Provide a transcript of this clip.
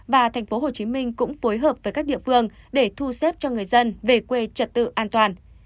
và tp hcm cũng phối hợp với các địa phương để thu xếp cho người dân về quê trật tự an toàn